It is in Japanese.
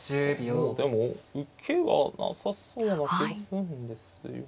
もうでも受けはなさそうな気がするんですよね。